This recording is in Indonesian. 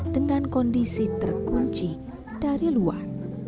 dengan kondisi terkunci dari luar